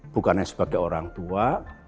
bukannya sebagai orang tua